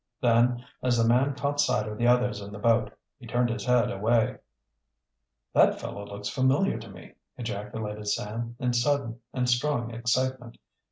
Then, as the man caught sight of the others in the boat, he turned his head away. "That fellow looks familiar to me," ejaculated Sam, in sudden and strong excitement.